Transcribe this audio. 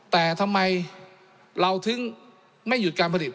แต่ทำไมเราถึงไม่หยุดการผลิต